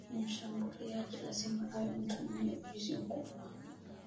mshambuluaji lazima awe mtu mwenye ujuzi mkubwa na mwenye nguvu za kushambulia